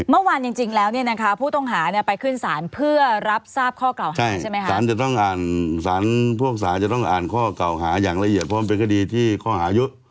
เมื่อวานจริงแล้วพ่อท่องหา